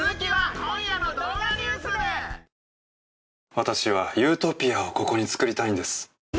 私はユートピアをここに作りたいんです。